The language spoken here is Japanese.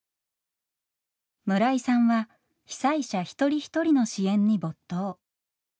村井さんは被災者一人一人の支援に没頭。